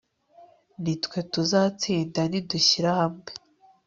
ni twe tuzatsinda nidushyira hamwe